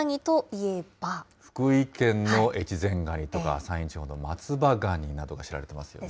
福井県の越前ガニとか、山陰地方の松葉ガニなどが知られてますよね。